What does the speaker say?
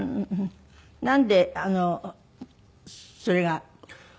なんでそれが。